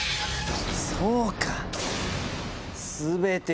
そうか！